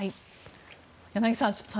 柳澤さん